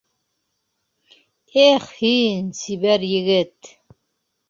Их һин, сибәр егет!